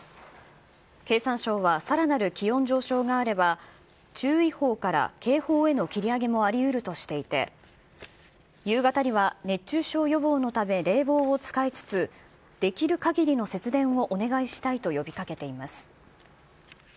経産省はさらなる気温上昇があれば、注意報から警報への切り上げもありうるとしていて、夕方には熱中症予防のため冷房を使いつつ、できるかぎりの節電をお願いしたいと呼びかけています。